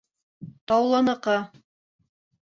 Таулыныҡы...